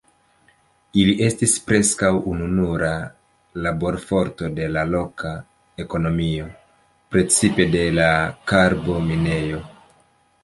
Ili estis preskaŭ ununura laborforto de la loka ekonomio, precipe de la karbo- minejo.